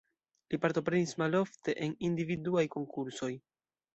Li partoprenis malofte en individuaj konkursoj.